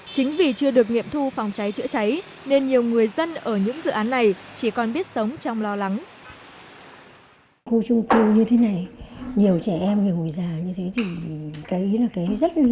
chính vì chưa được nghiệm thu phòng cháy chữa cháy nên nhiều người dân ở những dự án này chỉ còn biết sống trong lo lắng